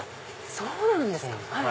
そうなんですか。